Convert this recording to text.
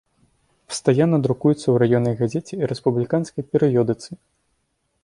Пастаянна друкуецца ў раённай газеце і рэспубліканскай перыёдыцы.